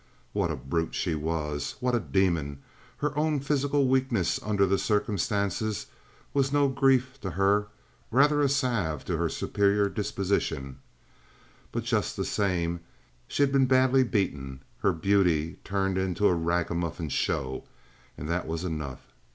What a brute she was—what a demon! Her own physical weakness under the circumstances was no grief to her—rather a salve to her superior disposition; but just the same she had been badly beaten, her beauty turned into a ragamuffin show, and that was enough.